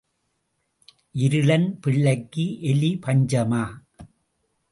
இருளன் பிள்ளைக்கு எலி பஞ்சமா?